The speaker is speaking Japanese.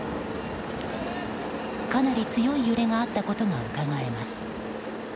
かなり強い揺れがあったことがうかがえます。